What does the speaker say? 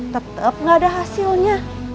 tetep gak ada hasilnya